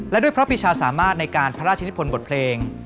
และด้วยพระพิชาสามารถในการพระราชนิพลบทเพลง